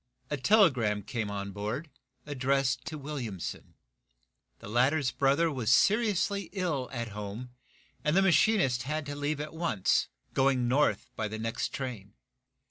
A telegram came on board, addressed to Williamson. The latter's brother was seriously ill at home, and the machinist had to leave at once, going north by the next train.